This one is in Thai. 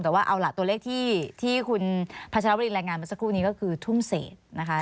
แต่ว่าเอาล่ะตัวเลขที่คุณพัชรวรินรายงานมาสักครู่นี้ก็คือทุ่มเศษนะคะ